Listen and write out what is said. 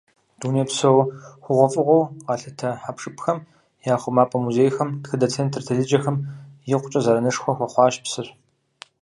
Дунейпсо хъугъуэфӀыгъуэу къалъытэ хьэпшыпхэм я хъумапӀэ музейхэм, тхыдэ центр телъыджэхэм икъукӀэ зэранышхуэ хуэхъуащ псыр.